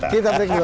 kita break dulu